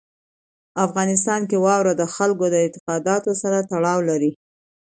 افغانستان کې واوره د خلکو د اعتقاداتو سره تړاو لري.